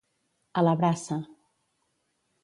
A la braça.